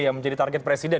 yang menjadi target presiden